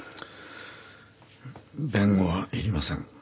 弁護はいりません。